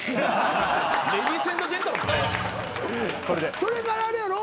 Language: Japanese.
それからあれやろ？